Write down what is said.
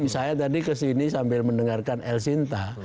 saya tadi kesini sambil mendengarkan el sinta